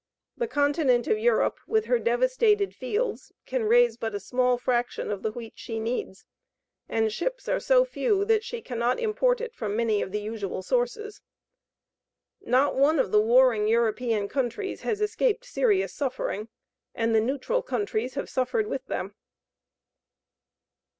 The continent of Europe, with her devastated fields, can raise but a small fraction of the wheat she needs, and ships are so few that she cannot import it from many of the usual sources. Not one of the warring European countries has escaped serious suffering, and the neutral countries have suffered with them.